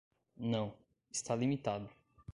Não, está limitado.